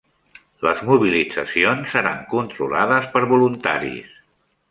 Les mobilitzacions seran controlades per voluntaris